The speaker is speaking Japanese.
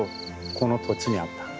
この土地に合った。